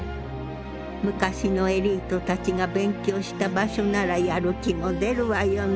昔のエリートたちが勉強した場所ならやる気も出るわよね。